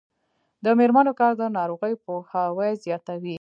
د میرمنو کار د ناروغیو پوهاوی زیاتوي.